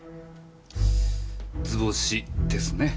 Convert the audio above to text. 図星ですね。